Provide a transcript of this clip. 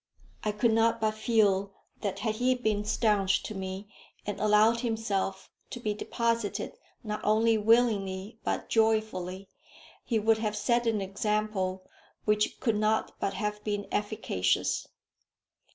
I could not but feel that had he been stanch to me, and allowed himself to be deposited not only willingly but joyfully, he would have set an example which could not but have been efficacious.